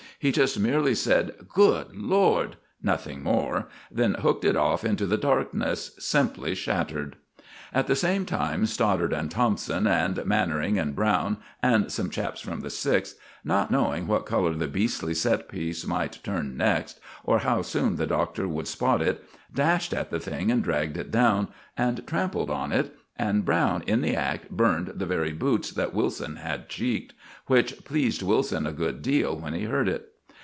He just merely said, "Good Lord!" nothing more then hooked it off into the darkness, simply shattered. At the same time Stoddart and Thompson, and Mannering and Browne, and some chaps from the Sixth, not knowing what color the beastly set piece might turn next, or how soon the Doctor would spot it, dashed at the thing and dragged it down, and trampled on it; and Browne in the act burned the very boots that Wilson had cheeked, which pleased Wilson a good deal when he heard it.